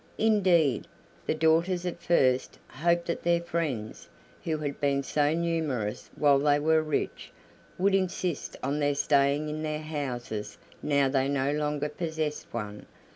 Indeed, the daughters at first hoped that their friends, who had been so numerous while they were rich, would insist on their staying in their houses now they no longer possessed one.